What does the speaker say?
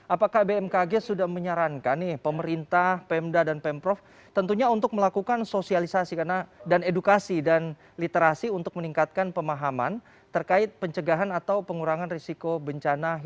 apakah bmkg sudah menyarankan nih pemerintah pemda dan pemprov tentunya untuk melakukan sosialisasi dan edukasi dan literasi untuk meningkatkan pemahaman terkait pencegahan atau pengurangan risiko bencana